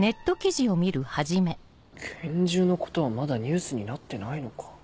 拳銃のことはまだニュースになってないのか。